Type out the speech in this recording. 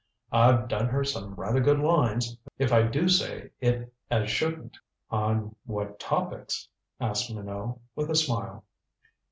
"I've done her some rather good lines, if I do say it as shouldn't." "On what topics?" asked Minot, with a smile.